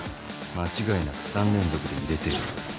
間違いなく３連続で入れてる。